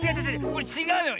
これちがうよ。